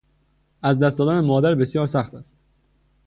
از دست دادن مادر بسیار سخت است.